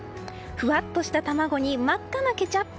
ふわっとした卵に真っ赤なケチャップ。